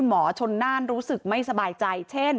ลาออกจากหัวหน้าพรรคเพื่อไทยอย่างเดียวเนี่ย